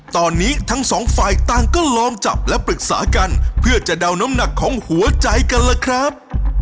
ตอนนี้ทั้งสองฝ่ายต่างก็ลองจับและปรึกษากันเพื่อจะเดาน้ำหนักของหัวใจกันล่ะครับ